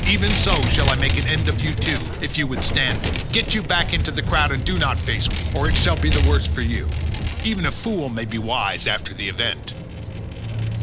Even so shall I make an end of you too, if you withstand me; get you back into the crowd and do not face me, or it shall be worse for you. Even a fool may be wise after the event."